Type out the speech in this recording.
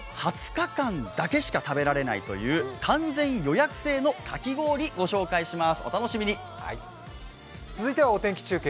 なんと、２０日間だけしか食べられないという完全予約制のかき氷、ご紹介します。